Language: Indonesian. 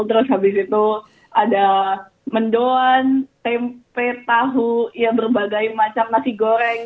terus habis itu ada mendon tempe tahu ya berbagai macam nasi goreng